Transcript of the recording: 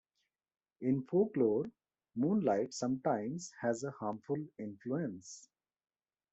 In folklore, moonlight sometimes has a harmful influence.